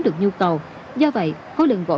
được nhu cầu do vậy khối lượng gỗ